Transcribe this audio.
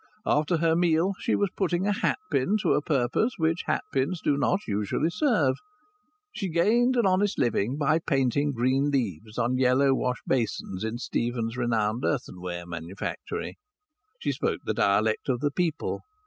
After her meal she was putting a hat pin to a purpose which hat pins do not usually serve. She gained an honest living by painting green leaves on yellow wash basins in Stephen's renowned earthenware manufactory. She spoke the dialect of the people.